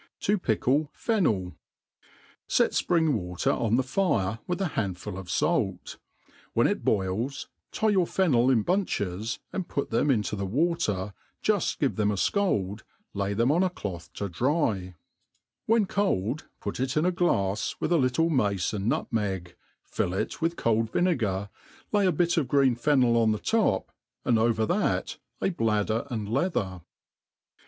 To pickle FenneL SET fpring water on the fire, with a handful of fait ; when it boils, tie your fennel in bunches^ and put them into the water^ juft give them a fcald^ lay them on a cloth to dry | whea MADE PLAIN AND EASY. 275 Vthen cold, put it in a glafs, with a little mace and nutmeg, fill it with cold vinegar, lay a bit of green fennel on the top, and over that a bladder and leather.